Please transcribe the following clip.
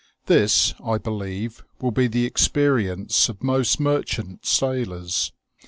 This, I believe, will be the experience of most merchant sailors.